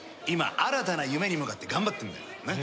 今新たな夢に向かって頑張ってるんだよ。